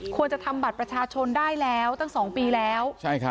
ควรจะทำบัตรประชาชนได้แล้วตั้ง๒ปีแล้ว